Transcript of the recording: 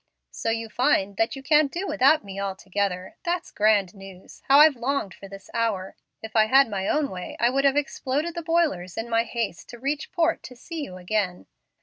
"So you find that you can't do without me altogether? That's grand news. How I've longed for this hour! If I'd had my own way I would have exploded the boilers in my haste to reach port to see you again.